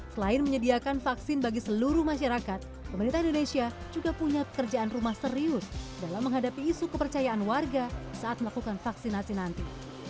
selain menyediakan vaksin bagi seluruh masyarakat pemerintah indonesia juga punya pekerjaan rumah serius dalam menghadapi isu kepercayaan warga saat melakukan vaksinasi nanti